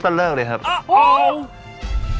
ก็เลิกเลยครับโอ้โฮโอ้โฮโอ้โฮโอ้โฮ